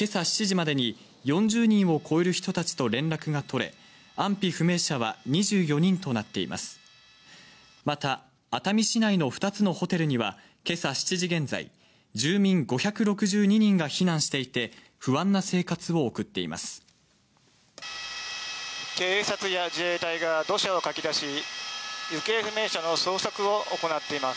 また熱海市内の２つのホテルには今朝７時現在、住民５６２人が避難していて、不安な生活を送っています。